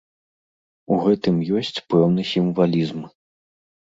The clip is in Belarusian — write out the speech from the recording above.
У гэтым ёсць пэўны сімвалізм.